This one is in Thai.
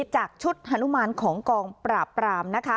จากชุดฮานุมานของกองปราบปรามนะคะ